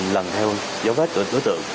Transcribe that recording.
lần theo dấu vết của tối tượng